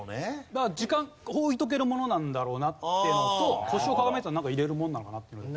まあ時間おいておけるものなんだろうなっていうのと腰をかがめてたからなんか入れるものなのかなって。